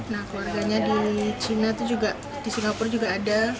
nah keluarganya di china itu juga di singapura juga ada